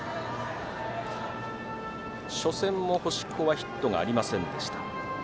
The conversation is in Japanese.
初戦も星子はヒットがありませんでした。